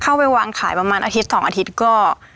เข้าไปวางขายประมาณอาทิตย์๒อาทิตย์ก็